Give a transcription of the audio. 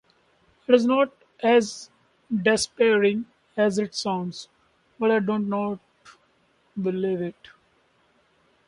It's not as despairing as it sounds, but I don't not believe it.